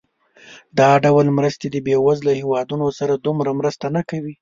دا ډول مرستې د بېوزله هېوادونو سره دومره مرسته نه کوي.